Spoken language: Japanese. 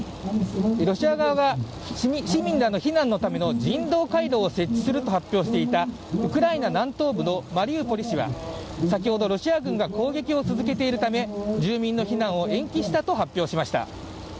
ロシア側が市民らの避難のための人道回廊を設置すると発表していたウクライナ南東部のマリウポリ市は先ほど、ロシア軍が攻撃を続けているため住民の避難を延期したと発表しました。